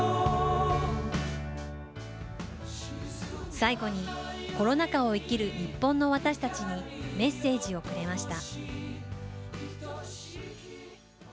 最後に、コロナ禍を生きる日本の私たちに、メッセージをくれました。